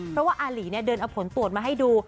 เพราะว่าอาหลีเดินเอาผลตรวจมาให้ดู